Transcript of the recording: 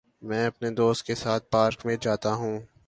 میں اپنے دوست کے ساتھ پارک میں جاتا ہوں۔